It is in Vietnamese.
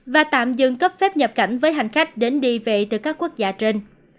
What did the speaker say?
và tạm dừng cấp phép nhập cảnh với hành khách đến đi về từ các quốc gia trên